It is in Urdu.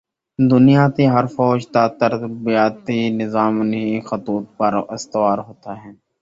دنیا کی ہر فوج کا تربیتی نظام انہی خطوط پر استوار ہوتا ہے۔